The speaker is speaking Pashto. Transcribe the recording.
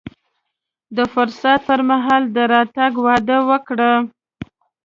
د فرصت پر مهال د راتګ وعده وکړه.